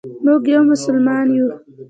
موږ یو مسلمان یو.